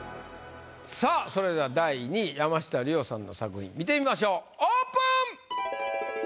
さぁそれでは第２位山下リオさんの作品見てみましょうオープン！